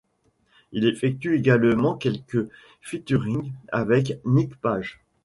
Il effectue également quelques featuring avec Nik Page.